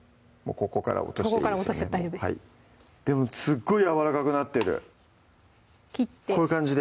ここから落として大丈夫ですでもすっごいやわらかくなってるこういう感じで？